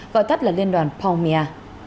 gọi tắt là liên đoàn palmia